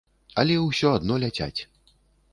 Але ўсё адно ляцяць.